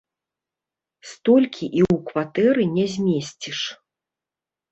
Столькі і ў кватэры не змесціш.